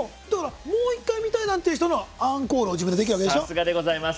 もう１回見たいなんて人はアンコール自分でできるんでしょ。